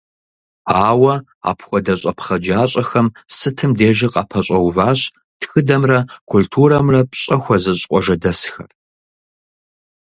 Ауэ апхуэдэ щӀэпхъаджащӀэхэм сытым дежи къапэщӀэуващ тхыдэмрэ культурэмрэ пщӀэ хуэзыщӀ къуажэдэсхэр.